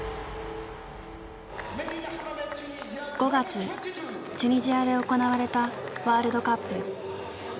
５月チュニジアで行われたワールドカップ。